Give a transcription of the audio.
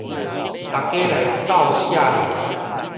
逐家來鬥卸貨